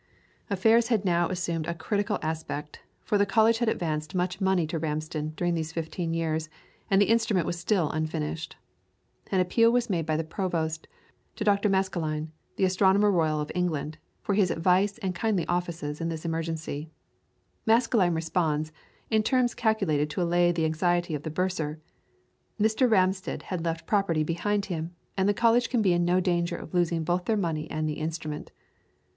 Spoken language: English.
Affairs had now assumed a critical aspect, for the college had advanced much money to Ramsden during these fifteen years, and the instrument was still unfinished. An appeal was made by the Provost to Dr. Maskelyne, the Astronomer Royal of England, for his advice and kindly offices in this emergency. Maskelyne responds in terms calculated to allay the anxiety of the Bursar "Mr. Ramsden has left property behind him, and the College can be in no danger of losing both their money and the instrument."